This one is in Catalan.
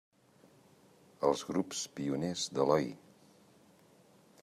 Els grups pioners de l'Oi!